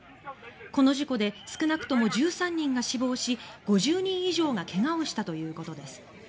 この事故で少なくとも１３人が死亡し５０人以上が怪我をしたということです。